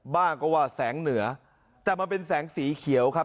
บ้างก็ว่าแสงเหนือแต่มันเป็นแสงสีเขียวครับ